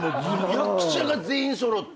役者が全員揃って。